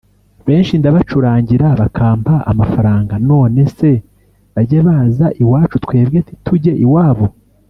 benshi ndabacurangira bakampa amafaranga […] Nonese bajye baza iwacu twebwe ntitujye iwabo